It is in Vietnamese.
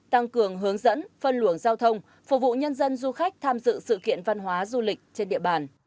tăng cường hướng dẫn phân luồng giao thông phục vụ nhân dân du khách tham dự sự kiện văn hóa du lịch trên địa bàn